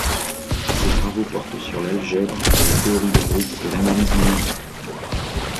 Ses travaux portent sur l'algèbre, la théorie des groupes et l'analyse numérique.